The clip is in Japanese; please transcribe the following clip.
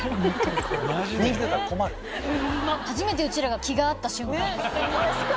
初めてうちらが気が合った瞬間です。